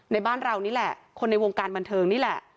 ในบ้านเรานี่แหละคนในวงการบันเทิงนี่แหละ